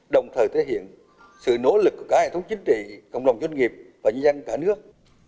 đồng thời thể hiện sự nỗ lực của cả hệ thống chính trị cộng đồng doanh nghiệp và nhân dân cả nước